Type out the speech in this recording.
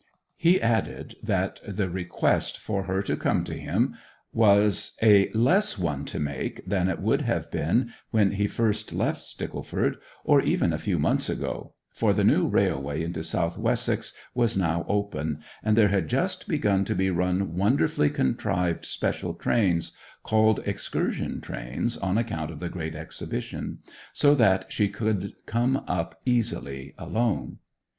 He added that the request for her to come to him was a less one to make than it would have been when he first left Stickleford, or even a few months ago; for the new railway into South Wessex was now open, and there had just begun to be run wonderfully contrived special trains, called excursion trains, on account of the Great Exhibition; so that she could come up easily alone.